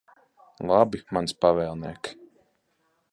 Labi, mans pavēlniek.